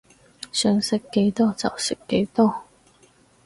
想食幾多就食幾多